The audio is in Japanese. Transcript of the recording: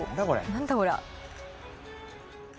何だこれは。